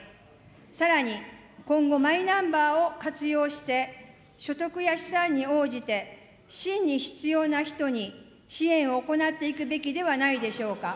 さらに、今後、マイナンバーを活用して、所得や資産に応じて真に必要な人に支援を行っていくべきではないでしょうか。